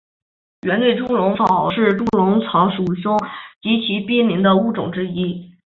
圆盾猪笼草是猪笼草属中极其濒危的物种之一。